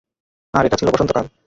আর এটা ছিল বসন্তকাল।